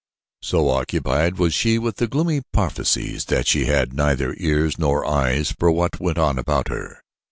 So occupied was she with the gloomy prophecies that she had neither ears nor eyes for what went on about her.